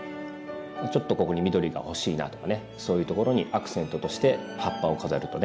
ちょっとここに緑が欲しいなとかねそういうところにアクセントとして葉っぱを飾るとね